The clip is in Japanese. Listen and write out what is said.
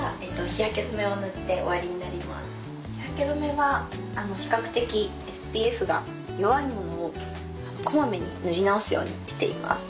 日焼け止めは比較的ＳＰＦが弱いものをこまめに塗り直すようにしています。